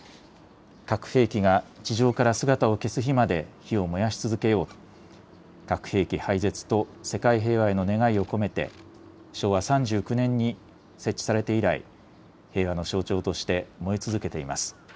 核兵器が地上から姿を消す日まで火を燃やし続けようと核兵器廃絶と世界平和への願いを込めて昭和３９年に設置されて以来、平和の象徴として燃え続けています。